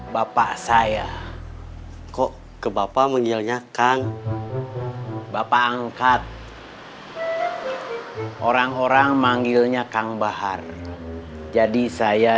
bapak saya kok ke bapak menyelenya kang bapak angkat orang orang manggilnya kang bahar jadi saya